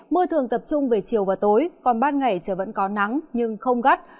mưa thường tập trung về chiều và tối còn ban ngày trời vẫn có nắng nhưng không gắt